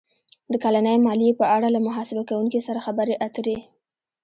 -د کلنۍ مالیې په اړه له محاسبه کوونکي سره خبرې اتر ې